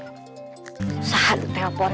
susah aduh telepon